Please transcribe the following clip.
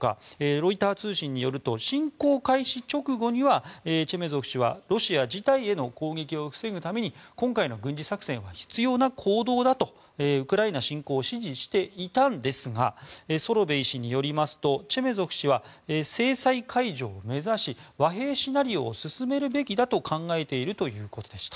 ロイター通信によると侵攻開始直後にはチェメゾフ氏はロシア自体への攻撃を防ぐために今回の軍事作戦は必要な行動だとウクライナ侵攻を支持していたんですがソロベイ氏によりますとチェメゾフ氏は制裁解除を目指し和平シナリオを進めるべきだと考えているということでした。